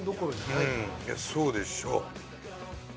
うんいやそうでしょう。